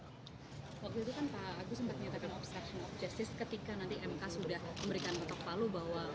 waktu itu kan pak agus sempat menyatakan obstruction of justice ketika nanti mk sudah memberikan betok palu bahwa